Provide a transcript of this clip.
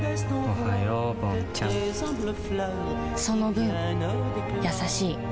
その分優しい